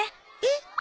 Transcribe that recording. えっ？